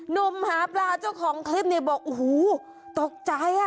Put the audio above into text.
นมหาปลาเจ้าของคลิปนี้บอกโอ้โหตกใจ